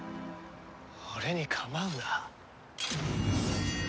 俺に構うな。